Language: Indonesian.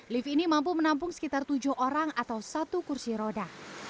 lift ini mampu menampung sekitar tujuh orang atau satu kursi roda